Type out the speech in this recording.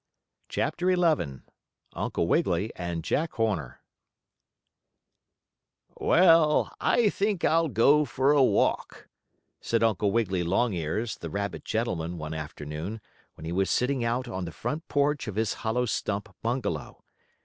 CHAPTER XI UNCLE WIGGILY AND JACK HORNER "Well, I think I'll go for a walk," said Uncle Wiggily Longears, the rabbit gentleman, one afternoon, when he was sitting out on the front porch of his hollow stump bungalow.